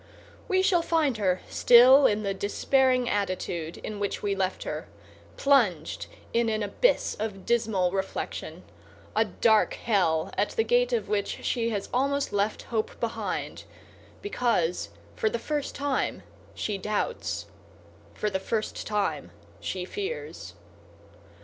We shall find her still in the despairing attitude in which we left her, plunged in an abyss of dismal reflection—a dark hell at the gate of which she has almost left hope behind, because for the first time she doubts, for the first time she fears.